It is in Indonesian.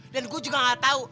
dan gua juga gak tau